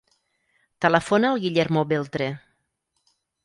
Telefona al Guillermo Beltre.